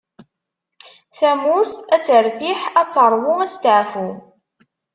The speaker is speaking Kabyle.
Tamurt ad teṛtiḥ, ad teṛwu asteɛfu.